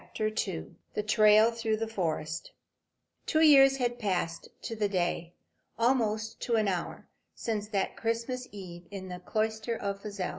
] II THE TRAIL THROUGH THE FOREST II Two years had passed, to a day, almost to an hour, since that Christmas eve in the cloister of Pfalzel.